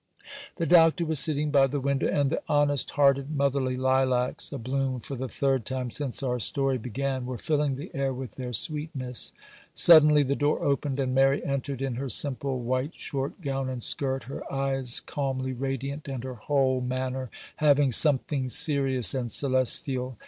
The Doctor was sitting by the window, and the honest hearted motherly lilacs, a bloom for the third time since our story began, were filling the air with their sweetness. Suddenly the door opened, and Mary entered in her simple white short gown and skirt, her eyes calmly radiant, and her whole manner having something serious and celestial.